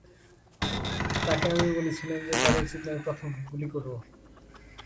তাকে আমি বলেছিলাম যে তার উচিত নয় প্রথম-- গুলি করো!